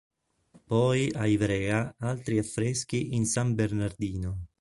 Poi a Ivrea altri affreschi in San Bernardino.